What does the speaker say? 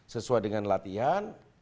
sesuai dengan latihan